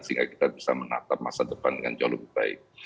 sehingga kita bisa menatap masa depan dengan jauh lebih baik